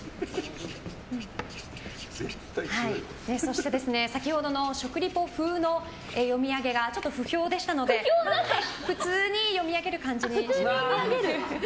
そして、先ほどの食リポ風の読み上げがちょっと不評でしたので普通に読み上げる感じにします。